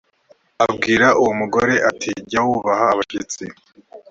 abwira uwo mugore ati jya wubaha abashyitsi